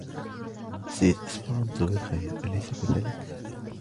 السيد إسبرانتو بخير, اليسَ كذلك ؟